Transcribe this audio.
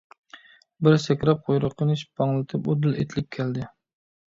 بىر سەكرەپ قۇيرۇقىنى شىپپاڭلىتىپ ئۇدۇل ئېتىلىپ كەلدى.